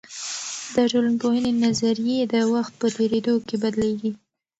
د ټولنپوهني نظريې د وخت په تیریدو کې بدلیږي.